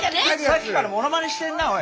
さっきからモノマネしてんなおい。